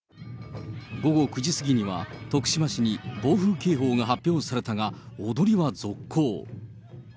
午後９時過ぎには、徳島市に暴風警報が発表されたが、踊りは続行。